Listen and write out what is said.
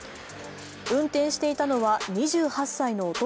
運転していたのは２８歳の男。